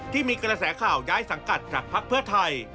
ที่มีกระแสข่าวย้ายสังกัดจากภักดิ์เพื่อไทย